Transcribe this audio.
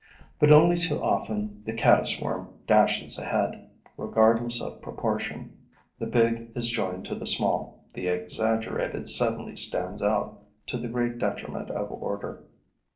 But only too often the caddis worm dashes ahead, regardless of proportion. The big is joined to the small, the exaggerated suddenly stands out, to the great detriment of order.